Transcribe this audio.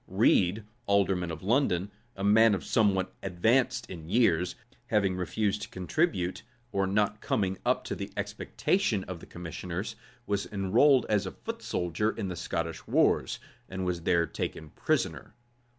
Read, alderman of London,[*] a man somewhat advanced in years, having refused to contribute, or not coming up to the expectation of the commissioners, was enrolled as a foot soldier in the Scottish wars, and was there taken prisoner.